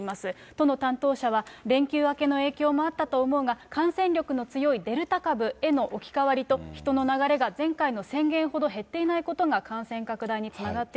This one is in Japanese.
都の担当者は、連休明けの影響もあったと思うが、感染力の強いデルタ株への置き換わりと、人の流れが前回の宣言ほど減っていないことが感染拡大につながっ